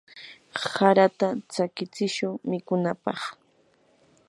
harata tsakichishun mikunapaq.